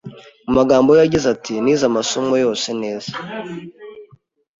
Mu magambo ye yagize ati “Nize amasomo yose neza,